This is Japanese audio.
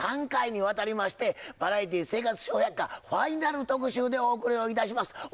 ３回にわたりまして「バラエティー生活笑百科ファイナル特集」でお送りをいたします。